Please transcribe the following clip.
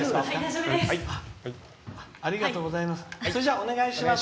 ありがとうございます。